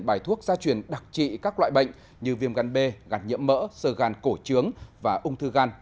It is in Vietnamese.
bài thuốc gia truyền đặc trị các loại bệnh như viêm gan b gan nhiễm mỡ sơ gan cổ trướng và ung thư gan